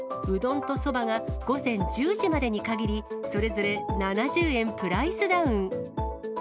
うどんとそばが、午前１０時までに限り、それぞれ７０円プライスダウン。